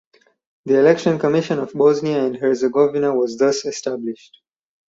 The Election Commission of Bosnia and Herzegovina was thus established.